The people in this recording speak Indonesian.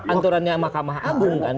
aturannya makamah agung kan